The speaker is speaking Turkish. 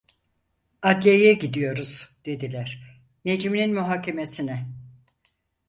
"Adliyeye gidiyoruz" dediler, "Necmi'nin muhakemesine."